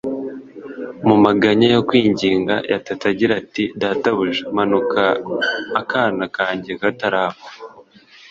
. Mu maganya yo kwinginga, yatatse agira ati, “Databuja, manuka akana kanjye katarapfa.”